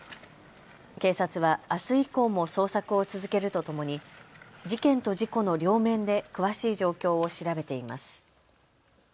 警察はあす以降も捜索を続けるとともに事件と事故の両面で詳しい状況を調べています。